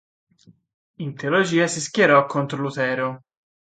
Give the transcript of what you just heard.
In teologia si schierò contro Lutero.